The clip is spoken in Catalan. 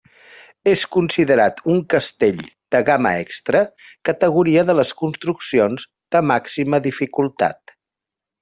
És considerat un castell de gamma extra, categoria de les construccions de màxima dificultat.